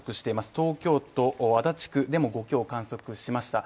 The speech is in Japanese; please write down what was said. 東京都足立区でも５強を観測しました。